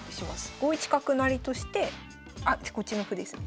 ５一角成としてあっこっちの歩ですね。